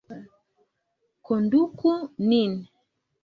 Konduku nin!